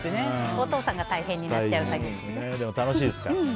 お父さんが大変になっちゃう作業ですからね。